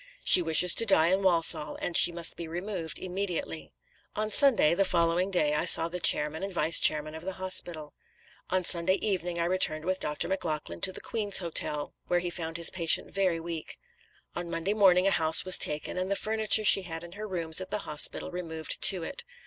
She wishes to die in Walsall, and she must be removed immediately.' "On Sunday (the day following) I saw the chairman and vice chairman of the hospital. On Sunday evening I returned with Dr. Maclachlan to the Queen's Hotel, where he found his patient very weak. On Monday morning a house was taken, and the furniture she had in her rooms at the hospital removed to it.